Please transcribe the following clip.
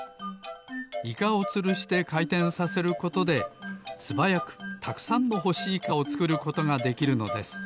イカをつるしてかいてんさせることですばやくたくさんのほしイカをつくることができるのです。